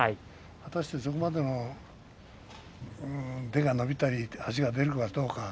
果たしてそこまで腕が伸びたり足が出るかどうか。